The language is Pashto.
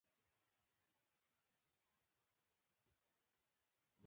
ازادي راډیو د د مخابراتو پرمختګ د اغیزو په اړه مقالو لیکلي.